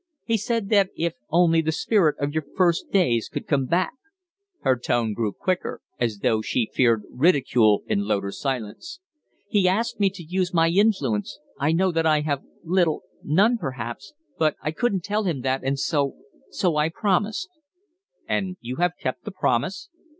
He said that if only the spirit of your first days could come back " Her tone grew quicker, as though she feared ridicule in Loder's silence. "He asked me to use my influence. I know that I have little none, perhaps but I couldn't tell him that, and so so I promised." "And have kept the promise?"